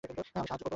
আমি সাহায্য করবো।